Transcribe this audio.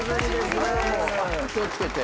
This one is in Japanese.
気を付けて。